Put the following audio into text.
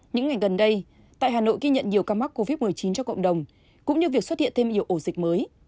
những ngày gần đây tại hà nội ghi nhận nhiều ca mắc covid một mươi chín cho cộng đồng cũng như việc xuất hiện thêm nhiều ổ dịch mới